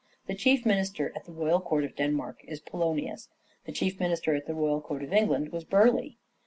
The chief minister at the royal court of Denmark is Poionius. The chief minister at the royal court of England was Burleigh.